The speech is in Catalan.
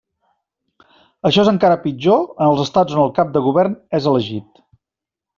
Això és encara pitjor en els Estats on el cap de govern és elegit.